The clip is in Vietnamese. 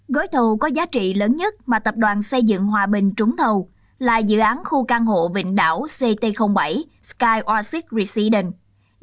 gói thầu có giá trị lớn nhất mà tập đoàn xây dựng hòa bình trúng thầu là dự án khu căn hộ vịnh đảo ct bảy sky arcid residence